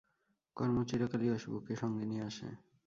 কর্ম চিরকালই অশুভকে সঙ্গে নিয়ে আসে।